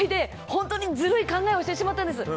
本当にずるい考えをしてしまったんです。